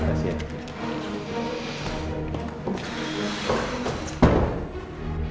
terima kasih pak